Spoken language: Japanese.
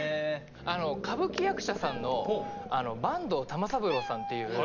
歌舞伎役者さんの坂東玉三郎さんっていう